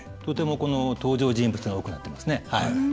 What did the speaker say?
とてもこの登場人物が多くなってますね。